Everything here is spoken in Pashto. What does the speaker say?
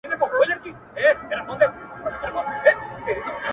بیا هغه لار ده، خو ولاړ راته صنم نه دی